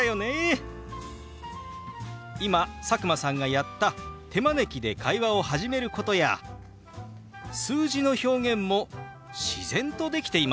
今佐久間さんがやった手招きで会話を始めることや数字の表現も自然とできていましたよ。